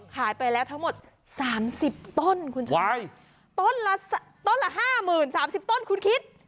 ขายไปแล้วทั้งหมด๓๐ต้นคุณชนะต้นละต้นละห้าหมื่นสามสิบต้นคุณคิด